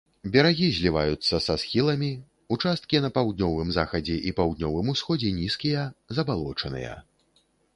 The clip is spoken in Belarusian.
Берагі зліваюцца са схіламі, участкі на паўднёвым захадзе і паўднёвым усходзе нізкія, забалочаныя.